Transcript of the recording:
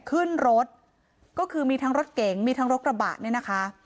ขึ้นรถก็คือมีทั้งรถเก๋งมีทั้งรถกระบะเนี่ยนะคะ